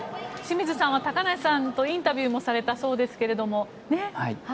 清水さんは高梨さんとインタビューもされたそうですが。